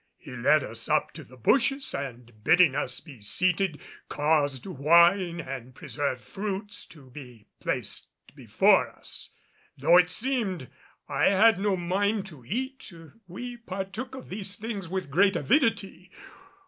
He led us up to the bushes and bidding us be seated, caused wine and preserved fruits to be placed before us. Though it had seemed I had no mind to eat, we all partook of these things with great avidity.